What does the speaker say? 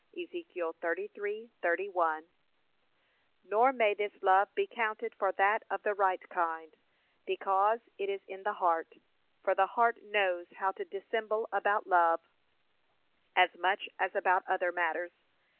(Ezek. 33:31) Nor may this love be counted for that of the right kind, because it is in the heart, for the heart knows how to dissemble about love, as much as about other matters.